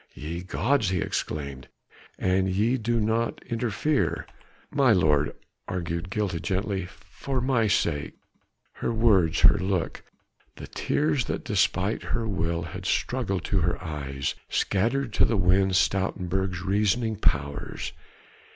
"Ye gods!" he exclaimed, "an ye do not interfere!" "My lord!" urged Gilda gently, "for my sake...." Her words, her look, the tears that despite her will had struggled to her eyes, scattered to the winds Stoutenburg's reasoning powers.